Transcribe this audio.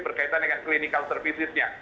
berkaitan dengan clinical services nya